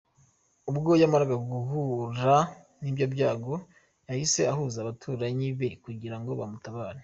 Ubwo yamaraga guhura n’ibyo byago yahise ahuruza abaturanyi be kugira ngo bamutabare.